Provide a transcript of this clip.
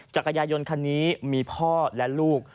จักรยายนคันนี้มีพ่อและลูก